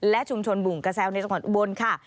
และชุมชนบุงกระแซวในจังหวัดอุบลค่ะ